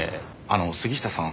あの杉下さん